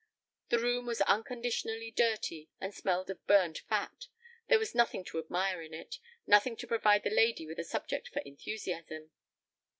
The room was unconditionally dirty, and smelled of burned fat. There was nothing to admire in it, nothing to provide the lady with a subject for enthusiasm.